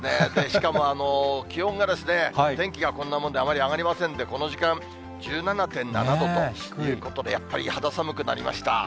しかも、気温がですね、天気がこんなもんで、あまり上がりませんで、この時間、１７．７度ということで、やっぱり肌寒くなりました。